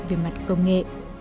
về mặt công nghệ